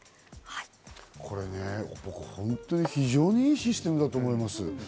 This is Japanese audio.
これね、僕、非常に良いシステムだと思います。